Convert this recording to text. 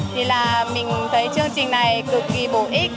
thì là mình thấy chương trình này cực kỳ bổ ích